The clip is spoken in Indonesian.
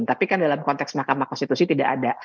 tapi kan dalam konteks mahkamah konstitusi tidak ada